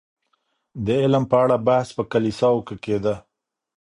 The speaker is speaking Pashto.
د علم په اړه بحث په کليساوو کي کيده.